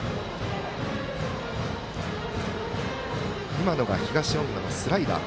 今のが東恩納のスライダー。